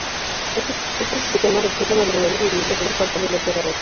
Este sistema requiere una tremenda habilidad por parte del operador.